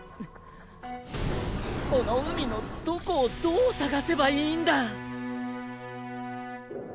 この海のどこをどう捜せばいいんだ！